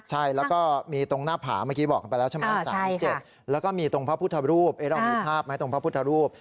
ใช่แล้วก็มีตรงหน้าผาเมื่อกี้บอกกันไปแล้วใช่ไหม๓๗แล้วก็มีตรงพระพุทธรูปเรามีภาพไหมตรงพระพุทธรูป